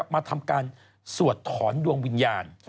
มาทำการสวดถอนดวงวิญญาณ